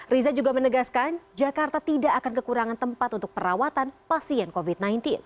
riza juga menegaskan jakarta tidak akan kekurangan tempat untuk perawatan pasien covid sembilan belas